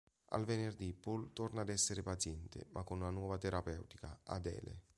Al venerdì Paul torna ad essere paziente, ma con una nuova terapeuta, Adele.